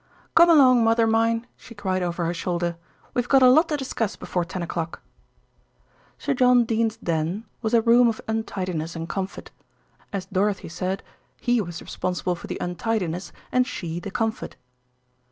"Come along, mother mine," she cried over her shoulder. "We've got a lot to discuss before ten o'clock." Sir John Dene's "den" was a room of untidiness and comfort. As Dorothy said, he was responsible for the untidiness and she the comfort.